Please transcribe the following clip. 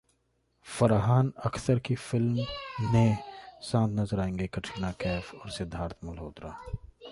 फरहान अख्तर की फिल्म ने साथ नजर आएंगे कटरीना कैफ और सिद्धार्थ मल्होत्रा